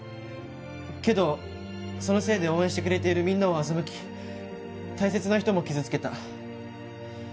けどそのせいで応援してくれているみんなを欺き大切な人も傷つけた。